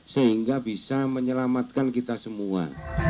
sehingga bisa menyelamatkan kita semua